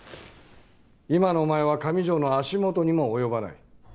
今のお前は上條の足元にも及ばない。